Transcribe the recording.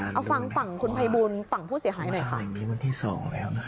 เออเอาฝั่งคุณภัยบุญฝั่งผู้เสียข้างไหน